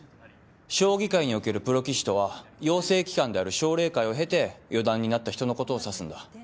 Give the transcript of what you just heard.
将棋界におけるプロ棋士とは養成機関である奨励会を経て四段になった人のことを指すんだ。